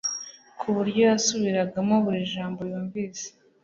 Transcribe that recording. ku buryo yasubiragamo buri jambo yumvise